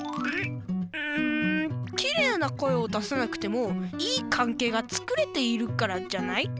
うんキレイな声を出さなくてもいい関係がつくれているからじゃない？